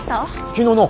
昨日の。